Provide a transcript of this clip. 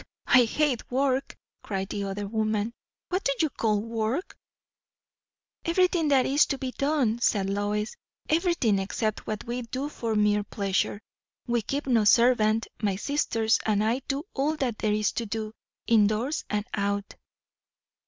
I hate work," cried the other woman. "What do you call work?" "Everything that is to be done," said Lois. "Everything, except what we do for mere pleasure. We keep no servant; my sisters and I do all that there is to do, in doors and out."